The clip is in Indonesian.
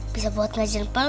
bisa buat ngajin peluru